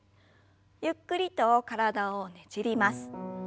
ゆっくりと体をねじります。